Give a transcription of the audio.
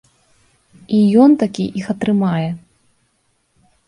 І ён-такі іх атрымае.